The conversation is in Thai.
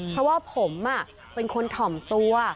เพราะว่าผมเป็นคนถ่อมตัว